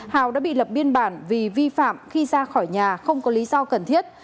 hào đã bị lập biên bản vì vi phạm khi ra khỏi nhà không có lý do cần thiết